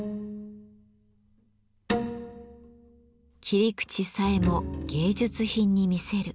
切り口さえも芸術品に見せる。